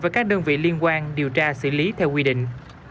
với các đơn vị liên quan điều tra xử lý theo quy định